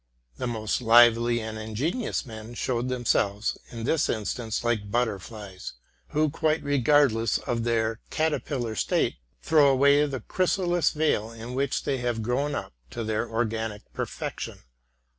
'The most lively and ingen ious men showed themselves, in this instance, like butiterilies, who, quite regardless of their caterpillar state, throw away the chrysalis veil in which they have grown up to their organic perfection.